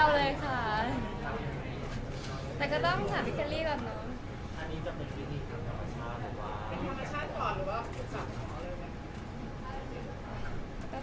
แต่ก็ต้องถามพี่เคอรี่ก่อนเนอะ